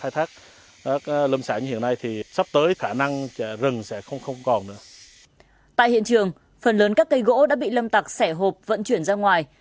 tại hiện trường phần lớn các cây gỗ đã bị lâm tặc xẻ hộp vận chuyển ra ngoài